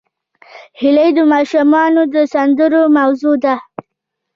هیلۍ د ماشومانو د سندرو موضوع ده